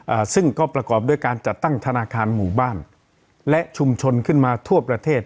อ่าซึ่งก็ประกอบด้วยการจัดตั้งธนาคารหมู่บ้านและชุมชนขึ้นมาทั่วประเทศ